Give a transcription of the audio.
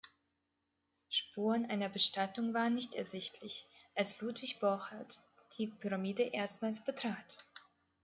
Spuren einer Bestattung waren nicht ersichtlich, als Ludwig Borchardt die Pyramide erstmals betrat.